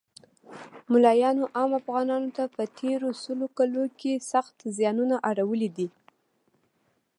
مولایانو عام افغانانو ته په تیرو سلو کلو کښی سخت ځیانونه اړولی دی